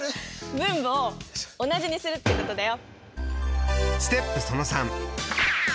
分母を同じにするってことだよ。